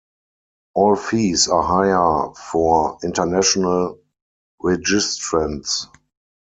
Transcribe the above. All fees are higher for international registrants.